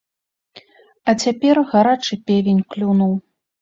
А цяпер гарачы певень клюнуў.